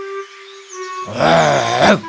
aku sudah menggigit